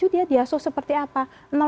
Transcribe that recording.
tujuh dia di asuh seperti apa